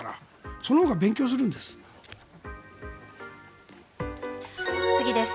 そのほうが勉強になるんです。